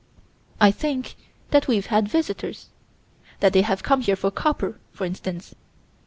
I think that we've had visitors: that they have come here for copper, for instance.